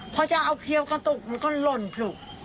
พอจะเอาเคี้ยวกระตุกมันก็หล่นผลุ